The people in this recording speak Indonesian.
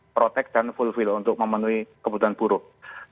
protek dan fulfill untuk memenuhi kebutuhan buruk